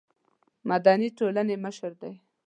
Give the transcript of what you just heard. مدني ټولنې مشر دی.